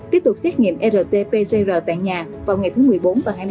tiếp tục xét nghiệm rt pcr tại nhà vào ngày thứ một mươi bốn và hai mươi